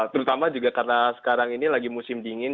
terutama juga karena sekarang ini lagi musim dingin